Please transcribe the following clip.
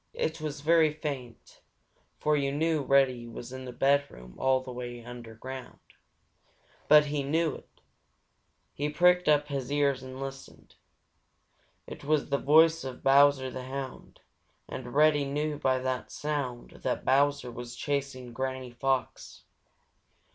It was very faint, for you know Reddy was in his bedroom way underground, but he knew it. He pricked up his ears and listened. It was the voice of Bowser the Hound, and Reddy knew by the sound that Bowser was chasing Granny Fox.